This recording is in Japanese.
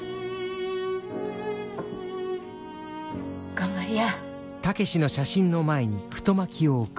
頑張りや。